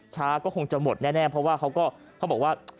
ช้าก็คงจะหมดแน่เพราะว่าเขาบอกว่า